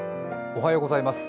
おはようございます。